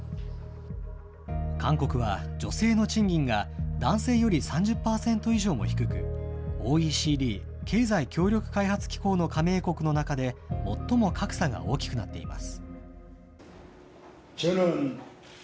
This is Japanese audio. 韓国は女性の賃金が男性より３０％以上も低く、ＯＥＣＤ・経済協力開発機構の加盟国の中で最も格差が大きくなっています。